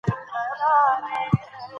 خاموشي د پوهانو لپاره تر ټولو غوره همراز ده.